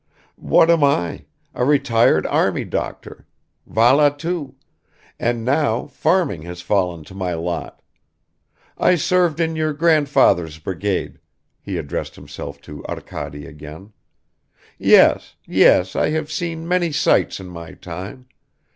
What am I? A retired army doctor, valla too; and now farming has fallen to my lot. I served in your grandfather's brigade," he addressed himself to Arkady again. "Yes, yes, I have seen many sights in my time.